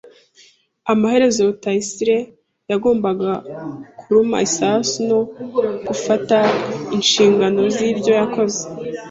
Amaherezo, Rutayisire yagombaga kuruma isasu no gufata inshingano zibyo yakoze.